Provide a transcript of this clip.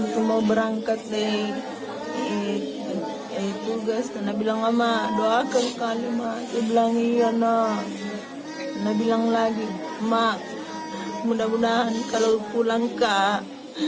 saya berterima kasih mak mudah mudahan kalau pulang kak